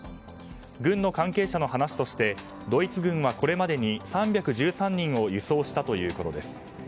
軍の関係者の話としてドイツ軍はこれまでに３１３人を輸送したということです。